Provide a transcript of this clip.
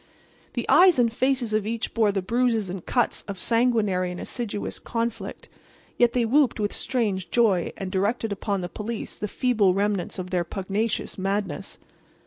The eyes and faces of each bore the bruises and cuts of sanguinary and assiduous conflict. Yet they whooped with strange joy, and directed upon the police the feeble remnants of their pugnacious madness.